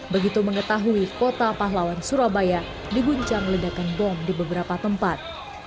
begitu mengetahui kota pahlawan surabaya diguncang ledakan bom di beberapa tempat